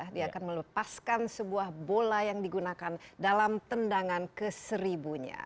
dia akan melepaskan sebuah bola yang digunakan dalam tendangan ke seribunya